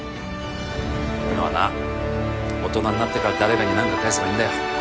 こういうのはな大人になってから誰かに何か返せばいいんだよ